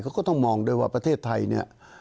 เขาก็ต้องมองด้วยว่าประเทศไทยเนี่ย